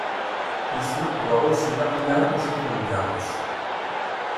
Yeswa ddwa ur s-ilaqen ara icuf umgarḍ-is.